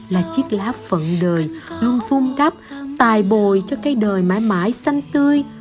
là chiếc lá phận đời luôn vun đắp tài bồi cho cây đời mãi mãi xanh tươi